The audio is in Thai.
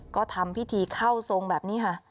ก็ทำพิธีเข้าทรงแบบนี้ค่ะ